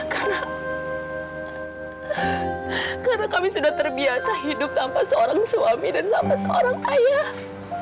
karena kami sudah terbiasa hidup tanpa seorang suami dan tanpa seorang ayah